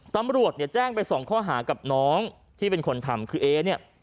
ตำรวจเนี่ยแจ้งไปสองข้อหากับน้องที่เป็นคนทำคือเอเนี่ย